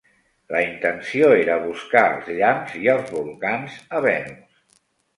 La intenció era buscar els llamps i els volcans a Venus.